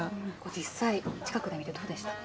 実際、近くで見てどうでした？